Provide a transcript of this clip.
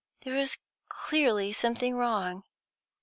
There was clearly something wrong.